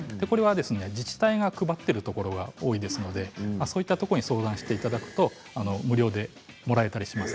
自治体が配っているところが多いですので、そういうところに相談していただくと無料でもらえたりします。